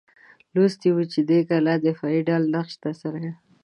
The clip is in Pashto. لوستي وو دې کلا دفاعي ډال نقش ترسره کړی.